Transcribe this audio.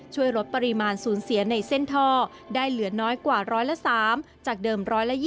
ช่วยลดปริมาณสูญเสียในเส้นท่อได้เหลือน้อยกว่าร้อยละ๓จากเดิม๑๒๐